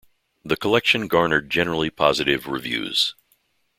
The collection garnered generally positive reviews.